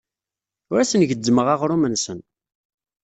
Ur asen-gezzmeɣ aɣrum-nsen.